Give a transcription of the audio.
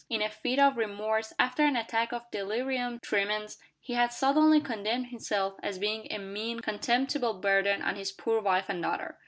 In a fit of remorse, after an attack of delirium tremens, he had suddenly condemned himself as being a mean contemptible burden on his poor wife and daughter.